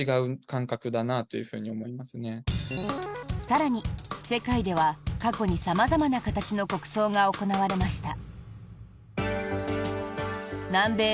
更に、世界では過去に様々な形の国葬が行われました。